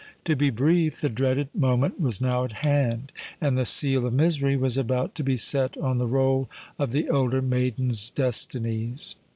To be brief, the dreaded moment was now at hand; and the seal of misery was about to be set on the roll of the elder maiden's destinies.